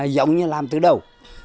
giống như làm từ đầu